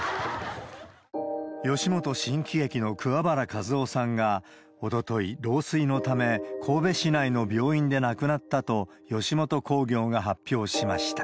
吉本新喜劇の桑原和男さんが、おととい、老衰のため神戸市内の病院で亡くなったと、吉本興業が発表しました。